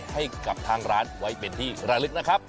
ให้กับทางร้านไว้เป็นที่ระลึกนะครับ